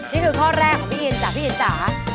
นี่คือข้อแรกของพี่อินจ้ะพี่อินจ๋า